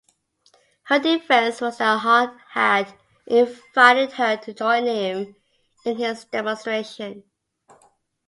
Her defence was that Haw had invited her to join him in his demonstration.